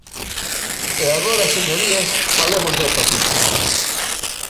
E agora, señorías, falemos da hepatite.